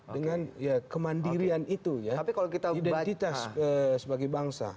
dengan kemandirian itu ya identitas sebagai bangsa